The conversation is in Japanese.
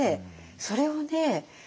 それをね